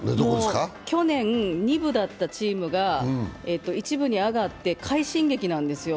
去年、２部だったチームが１部に上がって快進撃なんですよ。